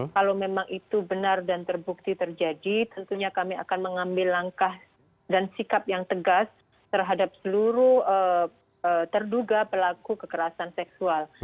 kalau memang itu benar dan terbukti terjadi tentunya kami akan mengambil langkah dan sikap yang tegas terhadap seluruh terduga pelaku kekerasan seksual